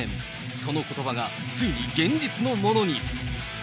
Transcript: そのことばが、ついに現実のものに。